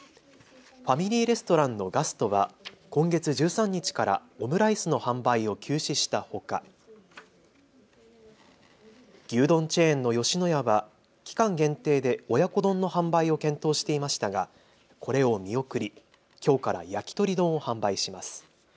ファミリーレストランのガストは今月１３日からオムライスの販売を休止したほか牛丼チェーンの吉野家は期間限定で親子丼の販売を検討していましたがこれを見送りきょうから焼き鳥丼を販売します。